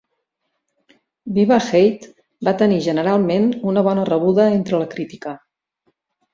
"Viva Hate" va tenir generalment una bona rebuda entre la crítica.